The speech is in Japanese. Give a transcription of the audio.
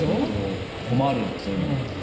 困る、そういうの。